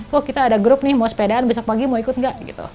kok kita ada grup nih mau sepedaan besok pagi mau ikut gak gitu